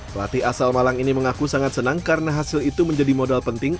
pelatih asal malang ini mengaku sangat senang karena hasil itu menjadi modal penting